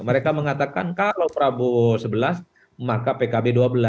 mereka mengatakan kalau prabowo sebelas maka pkb dua belas